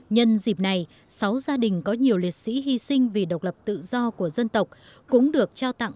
nhân dịp này sáu gia đình có nhiều liệt sĩ hy sinh vì độc lập tự do của dân tộc cũng được trao tặng